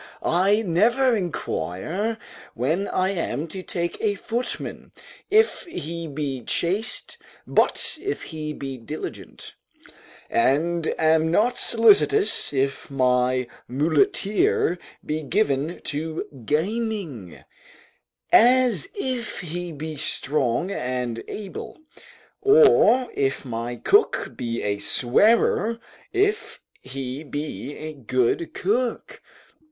I never inquire, when I am to take a footman, if he be chaste, but if he be diligent; and am not solicitous if my muleteer be given to gaming, as if he be strong and able; or if my cook be a swearer, if he be a good cook.